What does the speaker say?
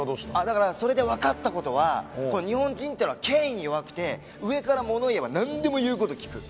だからそれで分かったことは日本人ってのは権威に弱くて上から物を言えば何でも言うこと聞く。